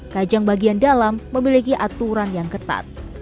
kajang bagian dalam memiliki aturan yang ketat